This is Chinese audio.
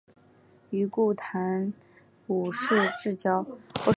与顾炎武是至交。